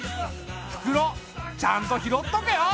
袋ちゃんと拾っとけよ。